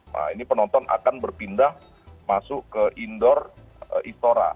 nah ini penonton akan berpindah masuk ke indoor istora